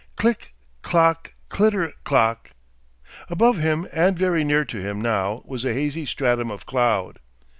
Click, clock, clitter clock. Above him and very near to him now was a hazy stratum of cloud.